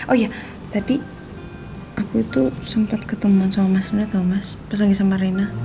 oh iya tadi aku itu sempet ketemuan sama mas nda tau mas pas lagi sama reina